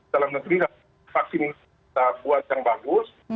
dalam negeri vaksin kita buat yang bagus